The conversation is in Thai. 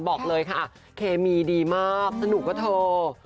บอกเลยค่ะเคมีดีมากสนุกก็โทษ